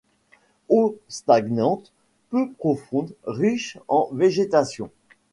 Eaux stagnantes peu profondes riches en végétation.